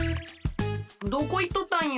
どこいっとったんよ？